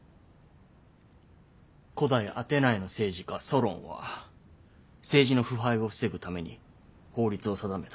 古代アテナイの政治家ソロンは政治の腐敗を防ぐために法律を定めた。